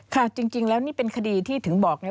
ค่ะจริงแล้วนี่เป็นคดีที่ถึงบอกนะ